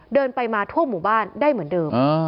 เดินไปมาทั่วหมู่บ้านได้เหมือนเดิม